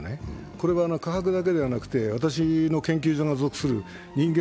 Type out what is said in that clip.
これは科博だけではなくて、私の研究所の属する人間